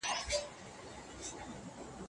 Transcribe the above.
کرني پوهنځۍ په ناڅاپي ډول نه انتقالیږي.